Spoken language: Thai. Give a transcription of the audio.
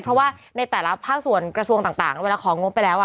เพราะว่าในแต่ละภาคส่วนกระทรวงต่างเวลาของงบไปแล้ว